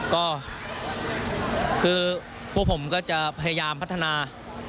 ก็คือพวกผมก็จะพยายามพัฒนา